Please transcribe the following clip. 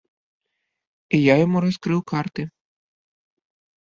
І я яму раскрыў карты.